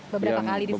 beberapa kali di fotoman